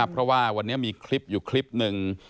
เพราะว่าวันนี้มีคลิปอยู่คลิปหนึ่ง